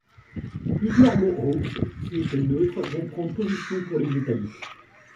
Plusieurs Mohawks qui étaient neutres vont prendre position pour les britanniques.